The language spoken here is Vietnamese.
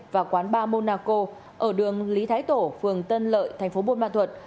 và quán ba monaco ở đường lý thái tổ phường tân lợi thành phố buôn ma thuật